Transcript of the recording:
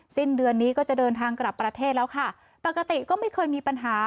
สิ้นเดือนนี้ก็จะเดินทางกลับประเทศแล้วค่ะปกติก็ไม่เคยมีปัญหา